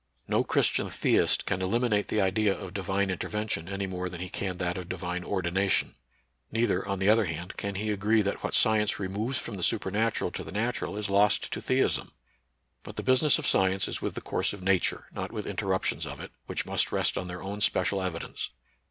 No Christian theist can eliminate the idea of Divine intervention any more than he can that of Divine ordination ; neither, on the other hand, can he agree that what science removes from the supernatiiral to the natural is lost to theism. But, the business of science is with the course of Nature, not with interruptions of it, which must rest on their own special evidence.